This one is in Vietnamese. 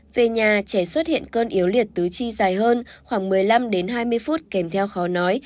về nhà trẻ xuất hiện cơn yếu liệt tứ chi dài hơn khoảng một mươi năm đến hai mươi phút kèm theo khó nói